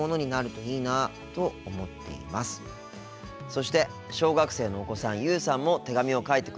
そして小学生のお子さん優羽さんも手紙を書いてくれました。